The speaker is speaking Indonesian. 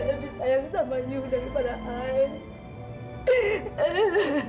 dia lebih sayang sama ibu daripada saya